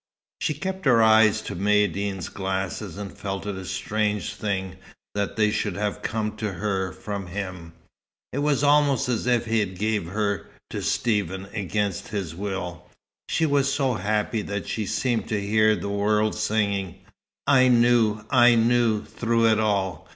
She kept her eyes to Maïeddine's glasses, and felt it a strange thing that they should have come to her from him. It was almost as if he gave her to Stephen, against his will. She was so happy that she seemed to hear the world singing. "I knew I knew, through it all!"